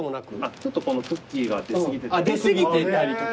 ちょっとこのクッキーが出過ぎてたりとか。